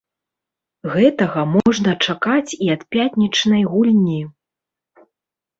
Гэтага можна чакаць і ад пятнічнай гульні.